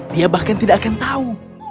dia bahkan tidak akan tahu